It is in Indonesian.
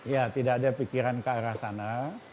ya tidak ada pikiran ke arah sana